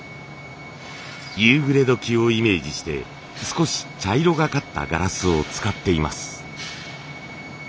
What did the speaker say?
夕暮れどきをイメージして少し茶色がかったガラスを使っています。